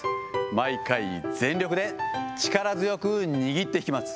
毎回全力で、力強く握って引きます。